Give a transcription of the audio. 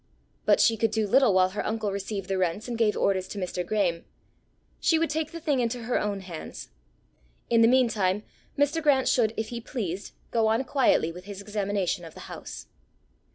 But she could do little while her uncle received the rents and gave orders to Mr. Graeme! She would take the thing into her own hands! In the meantime, Mr. Grant should, if he pleased, go on quietly with his examination of the house.